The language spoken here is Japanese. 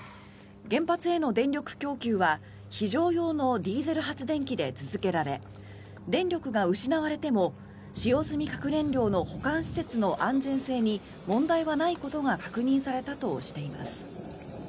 原発への電力供給は非常用のディーゼル発電機で続けられ電力が失われても使用済み核燃料の保管施設の安全性に問題はないことが確認されたとしています。